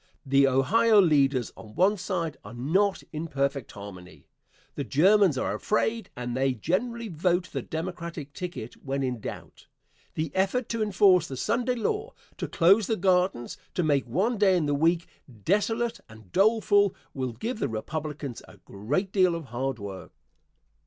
The Ohio leaders on one side are not in perfect harmony. The Germans are afraid, and they generally vote the Democratic ticket when in doubt. The effort to enforce the Sunday law, to close the gardens, to make one day in the week desolate and doleful, will give the Republicans a great deal of hard work.